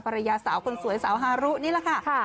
ภรรยาสาวคนสวยสาวฮารุนี่แหละค่ะ